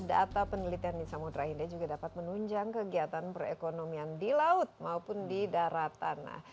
data penelitian di samudera hindia juga dapat menunjang kegiatan perekonomian di laut maupun di daratan